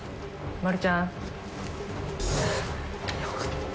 まるちゃん？よかった。